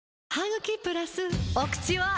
お口は！